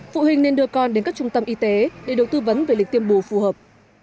phụ huynh nên đưa con đến các trung tâm y tế để được tư vấn về lịch tiêm bù phù hợp